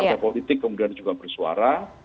partai politik kemudian juga bersuara